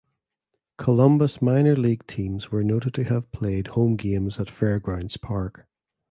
Columbus minor league teams were noted to have played home games at Fairgrounds Park.